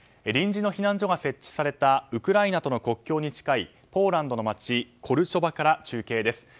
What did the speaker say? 臨時の避難所が設置されたウクライナとの国境に近いポーランドの街コルチョバから中継です。